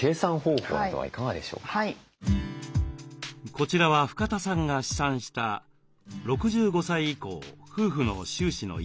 こちらは深田さんが試算した６５歳以降夫婦の収支の一例です。